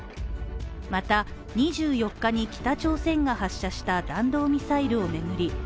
また２４日に北朝鮮が発射した弾道ミサイルを巡り